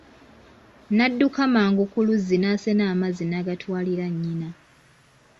N'adduka mangu ku luzzi n'asena amazzi n'agatwalira nnyina.